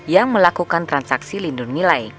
yang melakukan transaksi lindung nilai